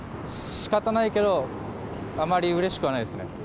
しかたないけど、あまりうれしくはないですね。